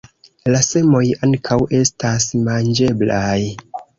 La semoj ankaŭ estas manĝeblaj.